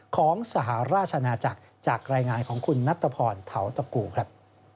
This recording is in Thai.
ของสหราชนาจักรจากรายงานของคุณนัทพรเทาตะกูครับ